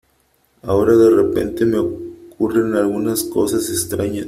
Ahora de repente me ocurren algunas cosas extrañas